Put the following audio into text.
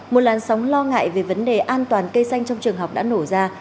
một làn sóng lo ngại về vấn đề an toàn cây xanh trong trường học đã nổ ra